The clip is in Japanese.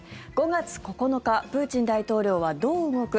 ５月９日プーチン大統領はどう動く？